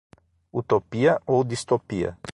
Utopia ou distopia?